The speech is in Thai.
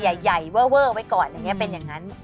อะไรใหญ่เวอไว้ก่อนเป็นอย่างนั้น